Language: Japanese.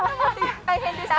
大変でした。